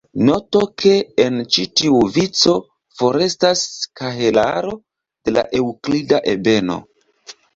Noto ke en ĉi tiu vico forestas kahelaro de la eŭklida ebeno.